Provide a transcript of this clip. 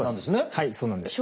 はいそうなんです。